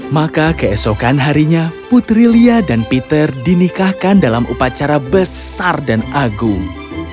maka keesokan harinya putri lia dan peter dinikahkan dalam upacara besar dan agung